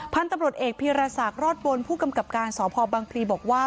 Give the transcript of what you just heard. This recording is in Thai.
พันธุ์ตำรวจเอกพีรศักดิ์รอดบนผู้กำกับการสพบังพลีบอกว่า